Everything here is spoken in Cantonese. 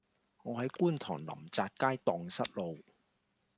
我喺觀塘臨澤街盪失路